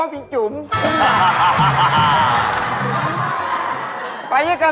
พูดอะไร